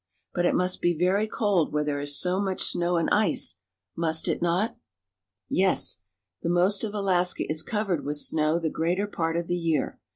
But it must be very cold where there is so much snow and ice, must it not? Yes; the most of Alaska is covered with snow the greater part of the year.